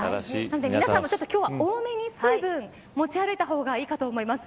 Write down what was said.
皆さんも今日はちょっと多めに水分を持ち歩いた方がいいかと思います。